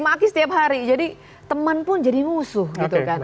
maki setiap hari jadi teman pun jadi musuh gitu kan